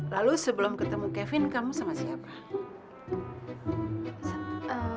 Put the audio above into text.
lalu sebelum ketemu kevin kamu sama siapa